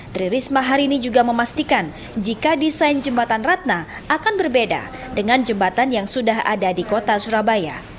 tririsma harini juga memastikan jika desain jembatan ratna akan berbeda dengan jembatan yang sudah ada di kota surabaya